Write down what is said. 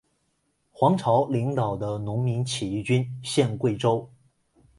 黄巢领导的农民起义军陷桂州。